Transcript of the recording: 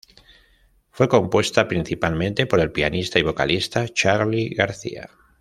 Fue compuesta principalmente por el pianista y vocalista Charly García.